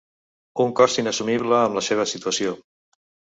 Un cost inassumible en la seva situació.